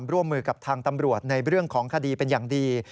ร่วมมือกับทางตำรวจในเรื่องของคดีเป็นอย่างดี